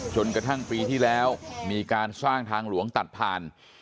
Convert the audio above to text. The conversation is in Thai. จนกระทั่งปีที่แล้วมีการสร้างทางหลวงตัดผ่าน